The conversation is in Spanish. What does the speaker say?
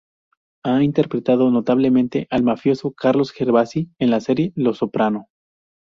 Ha interpretado notablemente al mafioso Carlo Gervasi en la serie "Los Soprano".